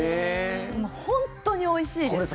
本当においしいです。